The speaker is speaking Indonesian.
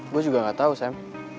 gue juga gak tahu sam